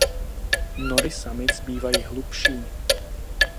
Nory samic bývají hlubší.